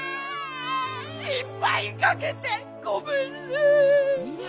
しんぱいかけてごめんね！